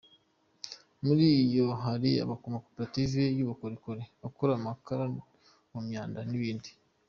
Muri yo hari amakoperative y’ubukorikoli, akora amakara mu myanda, n’ibindi”.